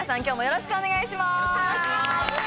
よろしくお願いします。